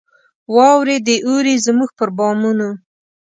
واوري دي اوري زموږ پر بامونو